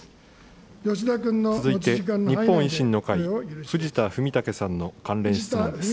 続いて日本維新の会、藤田文武さんの関連質問です。